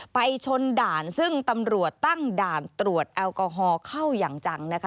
ไปชนด่านซึ่งตำรวจตั้งด่านตรวจแอลกอฮอล์เข้าอย่างจังนะคะ